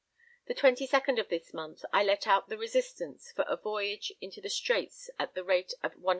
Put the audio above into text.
The 22nd of this month, I let out the Resistance for a voyage into the Straits at the rate of 100_l.